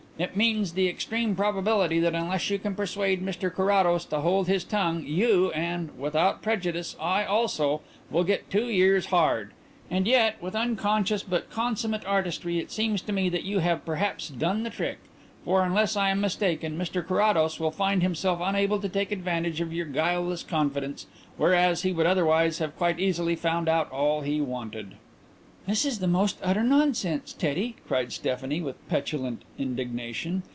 It means the extreme probability that unless you can persuade Mr Carrados to hold his tongue, you, and without prejudice I also, will get two years' hard. And yet, with unconscious but consummate artistry, it seems to me that you have perhaps done the trick; for, unless I am mistaken, Mr Carrados will find himself unable to take advantage of your guileless confidence, whereas he would otherwise have quite easily found out all he wanted." "That is the most utter nonsense, Teddy," cried Stephanie, with petulant indignation.